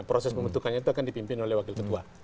proses pembentukannya itu akan dipimpin oleh wakil ketua